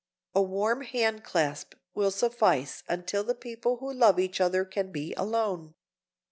A warm hand clasp will suffice until the people who love each other can be alone.